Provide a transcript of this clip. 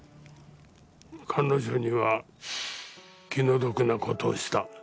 彼女には気の毒なことをした。